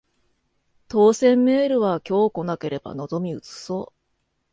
当せんメールは今日来なければ望み薄そう